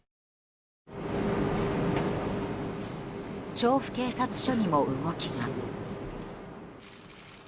調布警察署にも動きが。